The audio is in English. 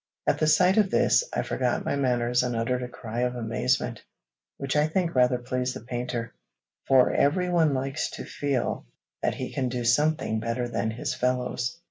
At the sight of this, I forgot my manners and uttered a cry of amazement, which I think rather pleased the painter, for everyone likes to feel that he can do something better than his fellows.